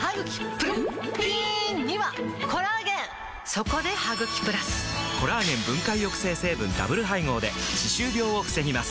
そこで「ハグキプラス」！コラーゲン分解抑制成分ダブル配合で歯周病を防ぎます